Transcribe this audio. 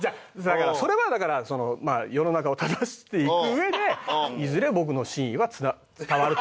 それはだからそのまあ世の中を正していく上でいずれ僕の真意は伝わると。